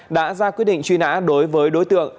đã ra quyết định truy nã đối với đối tượng